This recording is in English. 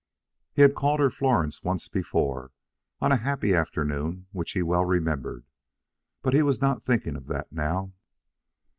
He had called her Florence once before, on a happy afternoon which he well remembered, but he was not thinking of that now.